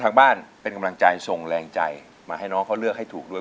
ทางบ้านเป็นกำลังใจส่งแรงใจมาให้น้องเขาเลือกให้ถูกด้วย